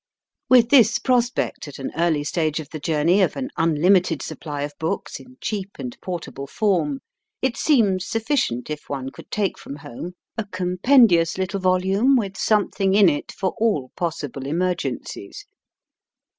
With this pro spect at an early stage of the journey of an unlimited supply of books in cheap and port able form, it seems sufficient if one could take from home a compendious little volume with something in it for all possible emergencies.